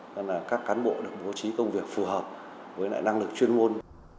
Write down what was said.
nên là các cán bộ được bố trí công việc phù hợp với lại năng lực chuyên môn